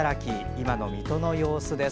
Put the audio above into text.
今の水戸の様子です。